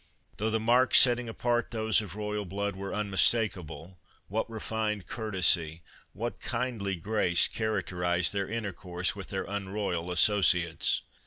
Though the marks setting apart those of royal blood were unmistakable, what refined courtesy, what kindly grace characterized their intercourse with their unroyal associates